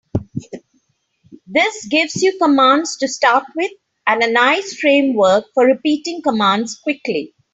This gives you commands to start with and a nice framework for repeating commands quickly.